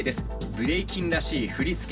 ブレイキンらしい振り付け